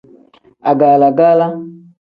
Agala-gala.